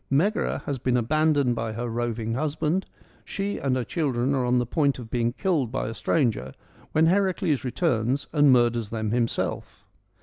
Megara has been abandoned by her roving husband : she and her children are on the point of being killed by a stranger when Heracles returns and murders them himself.